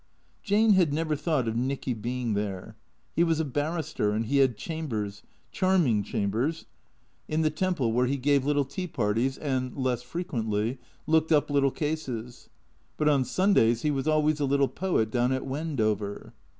Jane had never thought of Nicky being there. He was a barrister and he had chambers, charming chambers, in the 92 THE CEEATOES Temple, where he gave little tea parties and (less frequently) looked up little cases. But on Sundays he was always a little poet down at Wendover.